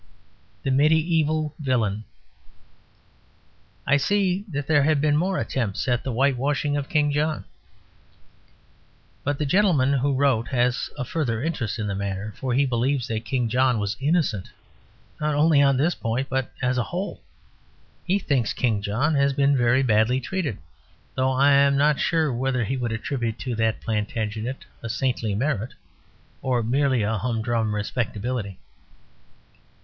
THE MEDIÆVAL VILLAIN I see that there have been more attempts at the whitewashing of King John. But the gentleman who wrote has a further interest in the matter; for he believes that King John was innocent, not only on this point, but as a whole. He thinks King John has been very badly treated; though I am not sure whether he would attribute to that Plantagenet a saintly merit or merely a humdrum respectability.